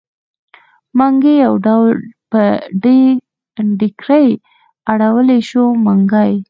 منګی يو ډول په ډېرګړي اړولی شو؛ منګي.